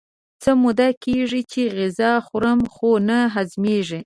څه موده کېږي چې غذا خورم خو نه هضمېږي.